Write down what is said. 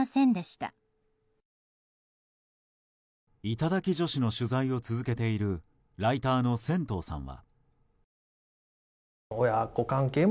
頂き女子の取材を続けているライターの仙頭さんは。